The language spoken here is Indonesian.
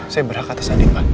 saya berhak atas andin pak